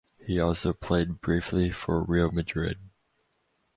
He also played briefly for Real Madrid.